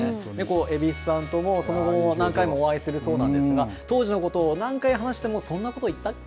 蛭子さんとも、その後も何回もお会いするそうなんですが、当時のことを何回話しても、そんなこと言ったっけ？